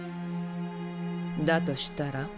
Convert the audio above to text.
だとしたら？